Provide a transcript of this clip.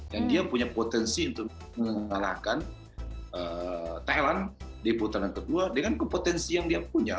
dan dia punya potensi untuk mengalahkan thailand di putaran kedua dengan kepotensi yang dia punya